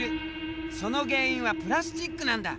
その原因はプラスチックなんだ。